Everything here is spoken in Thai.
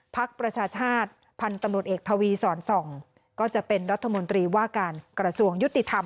ประชาชาติพันธุ์ตำรวจเอกทวีสอนส่องก็จะเป็นรัฐมนตรีว่าการกระทรวงยุติธรรม